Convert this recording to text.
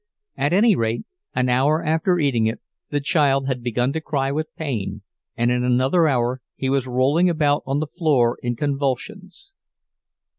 At any rate, an hour after eating it, the child had begun to cry with pain, and in another hour he was rolling about on the floor in convulsions.